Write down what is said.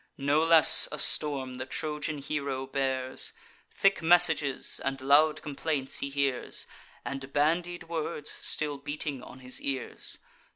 No less a storm the Trojan hero bears; Thick messages and loud complaints he hears, And bandied words, still beating on his ears.